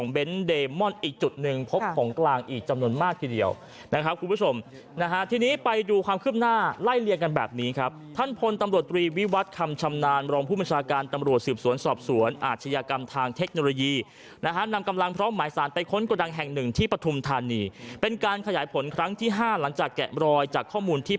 อีกจุดหนึ่งพบของกลางอีกจำนวนมากทีเดียวนะครับคุณผู้ชมนะฮะทีนี้ไปดูความคืบหน้าไล่เลี่ยงกันแบบนี้ครับท่านพลตำรวจตรีวิวัตรคำชำนาญรองผู้บัญชาการตำรวจสืบสวนสอบสวนอาชญากรรมทางเทคโนโลยีนะฮะนำกำลังพร้อมหมายสารไปค้นกระดังแห่งหนึ่งที่ปฐุมธานีเป็นการขยายผลครั้งที่ห้าหลังจากแกะรอยจากข้อมูลที่